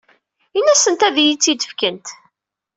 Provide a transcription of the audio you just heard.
Ini-asent ad iyi-tt-id-fkent.